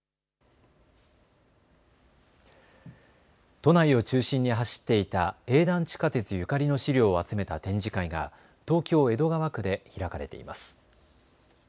都内を中心に走っていた営団地下鉄ゆかりの資料を集めた展示会が東京江戸川区で開かれています。